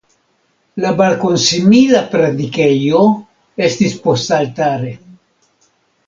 La balkonsimila predikejo estis postaltare.